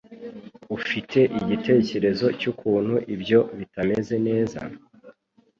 Ufite igitekerezo cyukuntu ibyo bitameze neza?